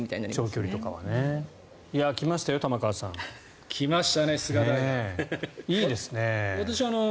長距離とかは。来ましたよ、玉川さん。来ましたね。